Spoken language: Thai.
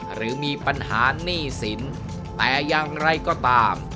หรือมีปัญหาหนี้สินแต่อย่างไรก็ตาม